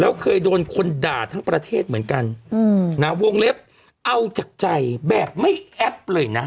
แล้วเคยโดนคนด่าทั้งประเทศเหมือนกันนะวงเล็บเอาจากใจแบบไม่แอปเลยนะ